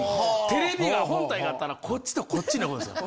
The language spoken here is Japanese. テレビが本体があったらこっちとこっちに置くんですよ。